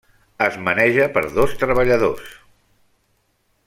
Es maneja per dos treballadors.